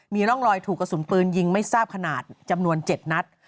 มีร่องรอยถูกกระสุนปืนยิงไม่ทราบขนาดจำนวน๗นัด